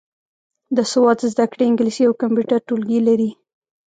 د سواد زده کړې انګلیسي او کمپیوټر ټولګي لري.